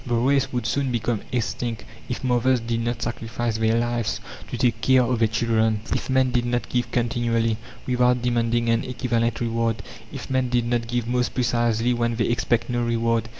The race would soon become extinct if mothers did not sacrifice their lives to take care of their children, if men did not give continually, without demanding an equivalent reward, if men did not give most precisely when they expect no reward.